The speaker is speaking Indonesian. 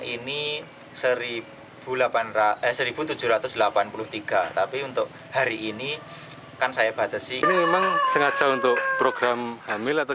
ini seribu delapan ratus seribu tujuh ratus delapan puluh tiga tapi untuk hari ini kan saya batasi ini memang sengaja untuk program hamil atau